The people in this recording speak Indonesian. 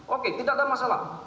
oke tidak ada masalah